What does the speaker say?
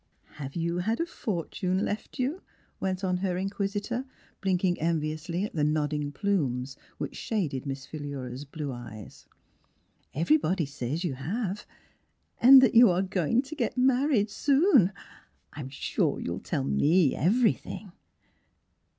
^^ Have you had a fortune left you?" went on her in quisitor, blinking enviously at the nodding plumes whicn shaded Miss Philura's blue eyes. " Everybody says you have; and that you are going to get married soon. Fm sure you'll tell ?}ie everything